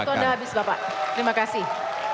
waktu anda habis bapak terima kasih